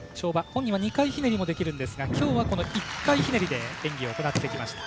本人は２回ひねりもできるんですがきょうは１回ひねりで演技を行ってきました。